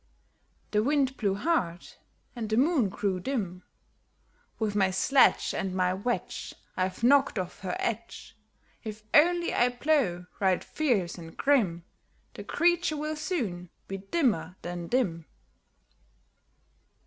The Wind blew hard, and the Moon grew dim. "With my sledge And my wedge I have knocked off her edge! If only I blow right fierce and grim, The creature will soon be dimmer than dim."